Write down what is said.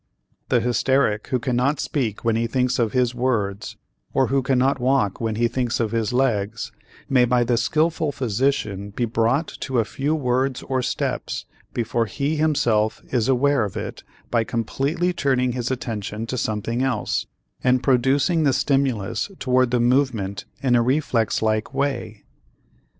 The hysteric who cannot speak when he thinks of his words, or who cannot walk when he thinks of his legs, may by the skillful physician be brought to a few words or steps before he himself is aware of it by completely turning his attention to something else and producing the stimulus toward the movement in a reflex like way.